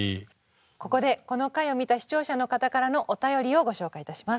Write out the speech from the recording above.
ここでこの回を見た視聴者の方からのお便りをご紹介いたします。